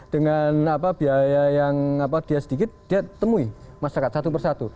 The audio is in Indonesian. dengan biaya yang dia sedikit dia temui masyarakat satu persatu